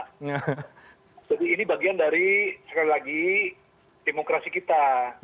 jadi ini bagian dari sekali lagi demokrasi kita